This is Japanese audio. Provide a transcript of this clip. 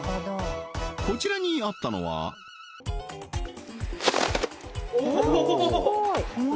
こちらにあったのはおおっ！